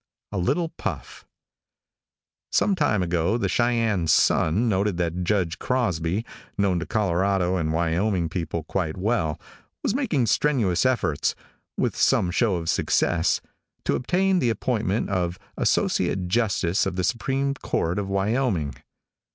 A LITTLE PUFF. |SOME time ago the Cheyenne Sun noticed that Judge Crosby, known to Colorado and Wyoming people quite well, was making strenuous efforts, with some show of success, to obtain the appointment of Associate Justice of the Supreme Court of Wyoming.